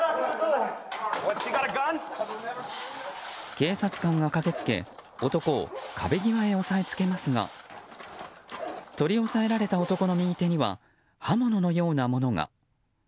警察官が駆けつけ男を壁際へ押さえつけますが取り押さえられた男の右手には刃物のようなものが。